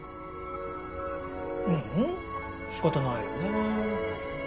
ううんしかたないよね。